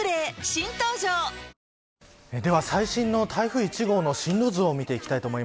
新登場最新の台風１号の進路図を見ていきます。